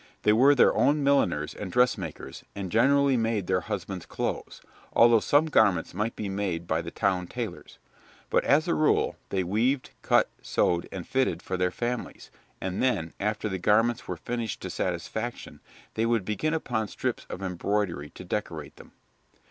They were their own milliners and dressmakers, and generally made their husbands' clothes, although some garments might be made by the town tailors; but, as a rule, they weaved, cut, sewed, and fitted for their families, and then, after the garments were finished to satisfaction, they would begin upon strips of embroidery to decorate them.